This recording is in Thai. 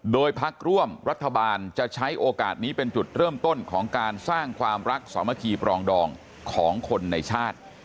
โดยพักร่วมรัฐบาลจะใช้โอกาสนี้เป็นจุดเริ่มต้นของการสร้างความรักสามัคคีปรองดองของคนในชาติ